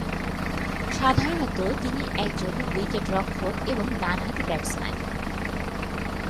সাধারণত তিনি একজন উইকেট-রক্ষক এবং ডানহাতি ব্যাটসম্যান।